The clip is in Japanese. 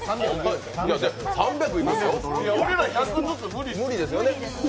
俺ら１００ずつ無理ですよ。